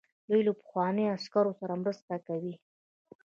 دوی له پخوانیو عسکرو سره مرسته کوي.